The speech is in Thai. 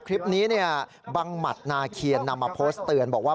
คลิปนี้เนี่ยบังหมัดนาเคียนนำมาโพสต์เตือนบอกว่า